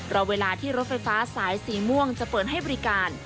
รอเวลาที่รถไฟฟ้าสายสีม่วงจะเปิดให้บริการ